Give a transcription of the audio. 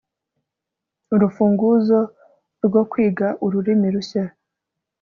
Urufunguzo rwo kwiga ururimi rushya